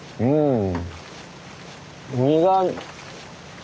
うん。